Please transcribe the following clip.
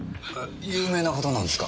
有名な方なんですか？